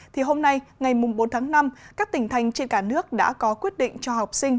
thì hôm nay ngày bốn tháng năm các tỉnh thành trên cả nước đã có quyết định cho học sinh